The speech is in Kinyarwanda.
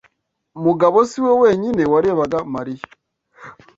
Mugabo si we wenyine warebaga Mariya.